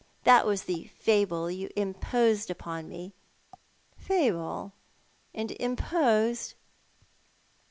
That was the fable you imposed upon me." " Fable and imposed